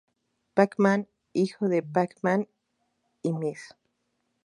Pac-Man, hijo de Pac-Man y Ms.